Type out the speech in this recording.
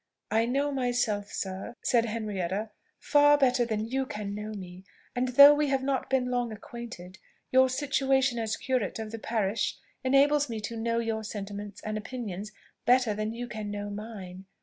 "I know myself, sir," said Henrietta, "far better than you can know me; and though we have not been long acquainted, your situation as curate of the parish enables me to know your sentiments and opinions better than you can know mine.